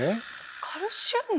カルシウム？